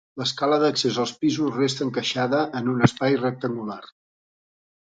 L'escala d'accés als pisos resta encaixada en un espai rectangular.